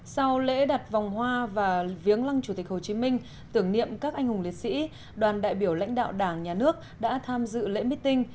sau lễ đặt vòng hoa và viếng lăng chủ tịch hồ chí minh tưởng niệm các anh hùng liệt sĩ đoàn đại biểu lãnh đạo đảng nhà nước đã tham dự lễ meeting